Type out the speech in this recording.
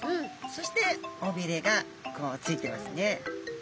そしておびれがこうついてますね。